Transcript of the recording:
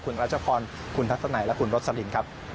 คุณรัชพรคุณทัศนัยและคุณโรสลินครับ